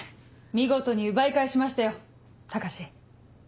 見事に奪い返しましたよ高志。